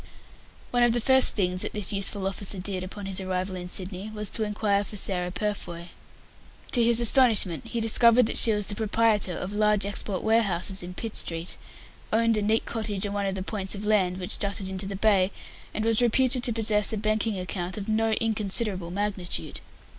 One of the first things that this useful officer did upon his arrival in Sydney was to inquire for Sarah Purfoy. To his astonishment, he discovered that she was the proprietor of large export warehouses in Pitt street, owned a neat cottage on one of the points of land which jutted into the bay, and was reputed to possess a banking account of no inconsiderable magnitude.